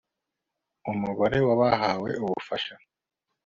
umubare w abahawe ubufasha